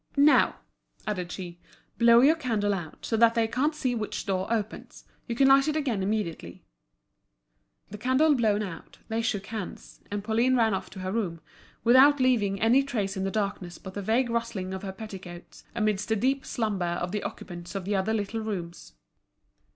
"Now," added she, "blow your candle out, so that they can't see which door opens; you can light it again immediately." The candle blown out, they shook hands; and Pauline ran off to her room, without leaving any trace in the darkness but the vague rustling of her petticoats amidst the deep slumber of the occupants of the other little rooms.